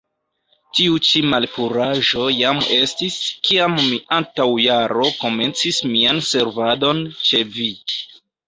Tiu ĉi malpuraĵo jam estis, kiam mi antaŭ jaro komencis mian servadon ĉe vi.